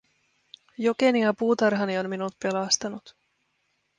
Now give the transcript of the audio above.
Jokeni ja puutarhani on minut pelastanut.